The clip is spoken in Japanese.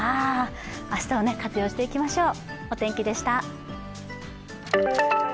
明日を活用していきましょう。